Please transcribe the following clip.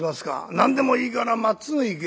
「何でもいいからまっつぐ行け」。